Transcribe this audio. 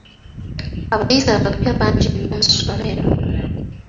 Abayizi abapya bangi nnyo mu ssomero.